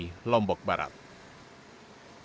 yang bisa melanda para pengungsi